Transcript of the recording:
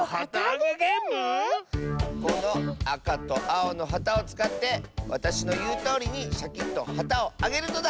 このあかとあおのはたをつかってわたしのいうとおりにシャキッとはたをあげるのだ！